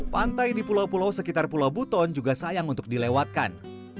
pantai di pulau pulau sekitar pulau buton juga sayang untuk dilewatkan